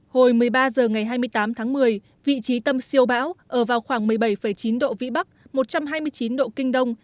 hồi một mươi ba h ngày hai mươi tám tháng một mươi vị trí tâm siêu bão ở vào khoảng một mươi bảy chín độ vĩ bắc một trăm hai mươi chín độ kinh đông